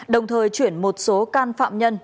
đồng thời chuyển một số can phạm nhân